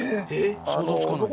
想像つかない。